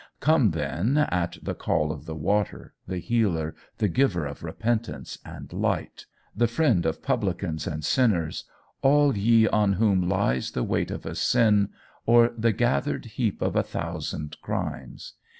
"Come then at the call of the Water, the Healer, the Giver of repentance and light, the Friend of publicans and sinners, all ye on whom lies the weight of a sin, or the gathered heap of a thousand crimes.